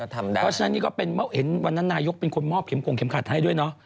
เพราะฉะนั้นนี่ก็เป็นเห็นวันนั้นนายกเป็นคนมอบเข็มกงเข็มขัดให้ด้วยเนาะ